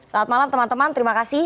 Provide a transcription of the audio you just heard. selamat malam teman teman terima kasih